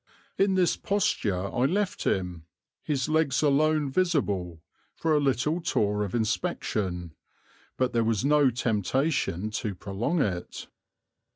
In this posture I left him, his legs alone visible, for a little tour of inspection; but there was no temptation to prolong it.